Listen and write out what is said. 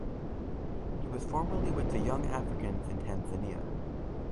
He was formerly with Young Africans in Tanzania.